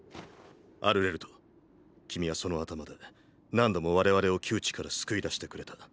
アルレルト君はその頭で何度も我々を窮地から救い出してくれた。